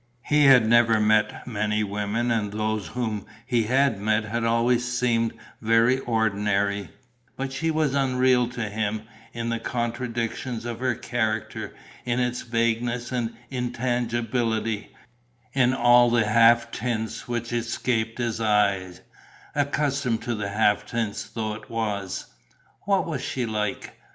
He had never met many women and those whom he had met had always seemed very ordinary; but she was unreal to him, in the contradictions of her character, in its vagueness and intangibility, in all the half tints which escaped his eye, accustomed to half tints though it was.... What was she like?